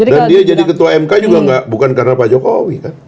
dan dia jadi ketua mk juga bukan karena pak jokowi kan